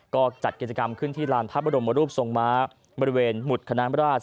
ก็จัดกิจกรรมขึ้นที่ลานพระบรมรูปทรงม้าบริเวณหมุดคณะราช